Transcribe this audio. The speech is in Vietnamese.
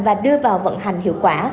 và đưa vào vận hành hiệu quả